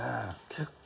結構。